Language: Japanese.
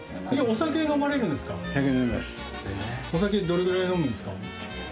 お酒どれぐらい飲むんですか？